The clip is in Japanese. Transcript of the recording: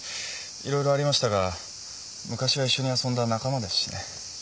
色々ありましたが昔は一緒に遊んだ仲間ですしね。